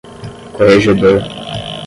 corregedor